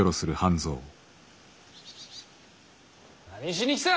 何しに来た。